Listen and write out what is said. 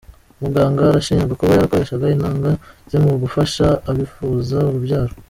Umuganga arashinjwa kuba yarakoreshaga intanga ze mu gufasha abifuza urubyaro.